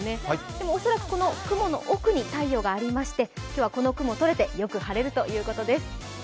でも恐らくこの雲の奥に太陽がありまして今日はこの雲とれてよく晴れるということです。